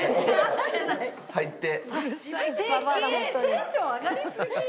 テンション上がりすぎ。